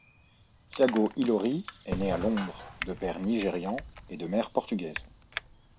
Tiago Ilori est né à Londres de père nigérian et de mère portugaise.